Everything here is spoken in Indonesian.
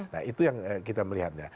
nah itu yang kita melihatnya